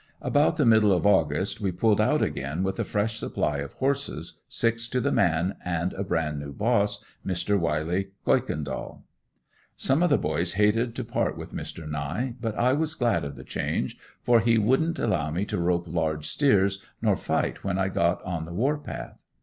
About the middle of August we pulled out again with a fresh supply of horses, six to the man and a bran new boss, Mr. Wiley Kuykendall. Some of the boys hated to part with Mr. Nie, but I was glad of the change, for he wouldn't allow me to rope large steers nor fight when I got on the war path.